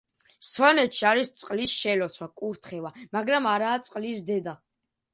სვანეთში არის წყლის შელოცვა, კურთხევა, მაგრამ არაა წყლის დედა.